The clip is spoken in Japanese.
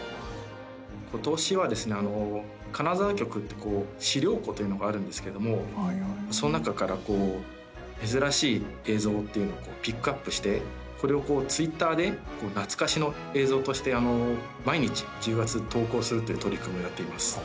今年はですね金沢局って資料庫というのがあるんですけどもその中から珍しい映像というのをピックアップしてこれをツイッターで懐かしの映像として毎日１０月投稿するという取り組みをやっています。